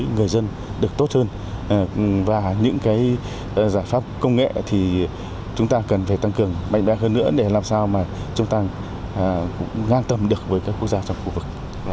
người dân được tốt hơn và những cái giải pháp công nghệ thì chúng ta cần phải tăng cường mạnh đa hơn nữa để làm sao mà chúng ta ngang tâm được với các quốc gia trong khu vực